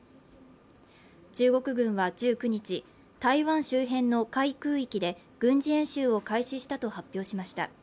中国軍は１９日台湾周辺の海空域で軍事演習を開始したと発表しました。